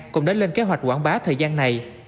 cũng đã lên kế hoạch quảng bá thời gian này